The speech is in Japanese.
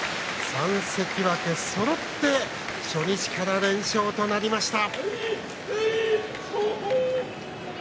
３関脇そろって、初日から連勝となりました。